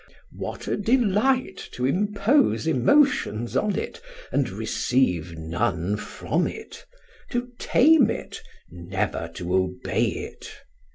What a delight to impose emotions on it and receive none from it, to tame it, never to obey it.